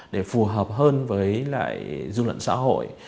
để phù hợp hơn với lại du lận xã hội